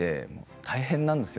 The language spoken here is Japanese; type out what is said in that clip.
大変なんですよ。